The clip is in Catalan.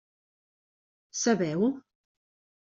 Sabeu?